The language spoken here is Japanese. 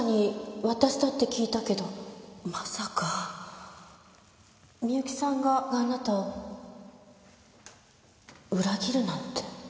まさかミユキさんがあなたを裏切るなんて。